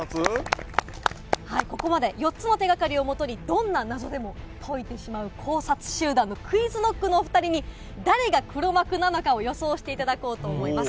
ここまで４つの手がかりをもとに、どんな謎でも解いてしまう考察集団のＱｕｉｚＫｏｃｋのお２人に、誰が黒幕なのかを予想していただこうと思います。